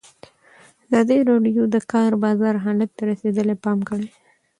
ازادي راډیو د د کار بازار حالت ته رسېدلي پام کړی.